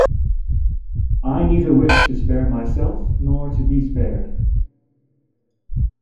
I neither wish to spare myself nor to be spared.